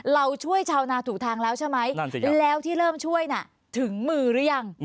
เราช่วยชาวนาถูกทางแล้วใช่ไหมนั่นสิแล้วที่เริ่มช่วยน่ะถึงมือหรือยัง